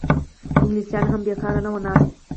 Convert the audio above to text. انګلیسیان هم بېکاره نه وو ناست.